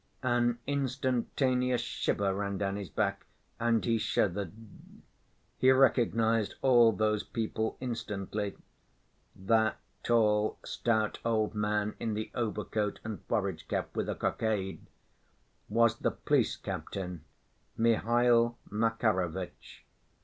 An instantaneous shiver ran down his back, and he shuddered. He recognized all those people instantly. That tall, stout old man in the overcoat and forage‐cap with a cockade—was the police captain, Mihail Makarovitch.